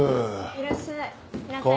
いらっしゃいませ。